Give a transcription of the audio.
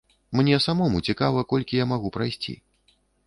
Мне самому цікава, колькі я магу прайсці.